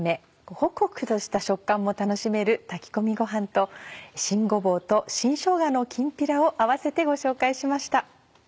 ホクホクとした食感も楽しめる炊き込みごはんと「新ごぼうと新しょうがのきんぴら」を併せてご紹介しました。